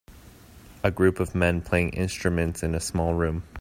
A group of men playing instruments in a small room.